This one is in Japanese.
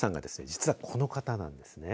実は、この方なんですね。